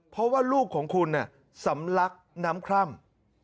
เพราะว่าลูกของคุณสำลักน้ำคร่ำ